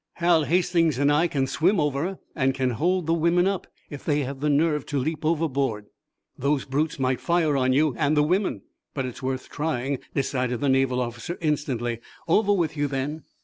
"Hal Hastings and I can swim over, and can hold the women up if they have the nerve to leap overboard." "Those brutes might fire on you, and the women, but it's worth trying," decided the Naval officer, instantly. "Over with you, then!"